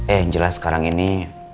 eh yang jelas sekarang ini